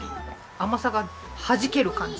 甘さがはじける感じ。